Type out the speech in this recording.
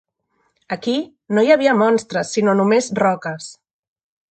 Aquí, no hi havia monstres sinó només roques.